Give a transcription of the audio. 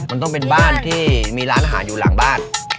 มันต้องเป็นบ้านที่มีร้านอาหารอยู่หลังบ้าน